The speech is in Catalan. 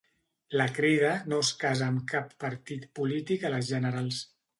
La Crida no es casa amb cap partit polític a les generals